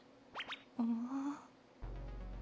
ああ。